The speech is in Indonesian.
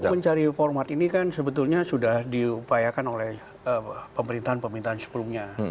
untuk mencari format ini kan sebetulnya sudah diupayakan oleh pemerintahan pemerintahan sebelumnya